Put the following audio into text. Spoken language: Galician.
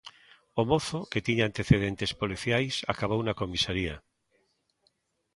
O mozo, que tiña antecedentes policiais, acabou na comisaría.